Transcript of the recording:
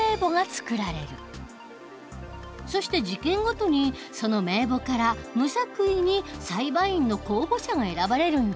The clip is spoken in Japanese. そして事件ごとにその名簿から無作為に裁判員の候補者が選ばれるんだ。